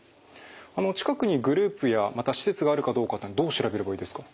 近くにグループやまた施設があるかどうかというのはどう調べればいいですか？